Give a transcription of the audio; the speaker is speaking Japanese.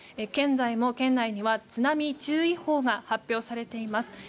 現在も県内には津波注意報が発表されています。